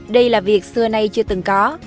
đây là việc xưa nay chưa từng có